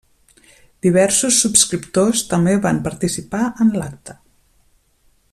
Diversos subscriptors també van participar en l'acte.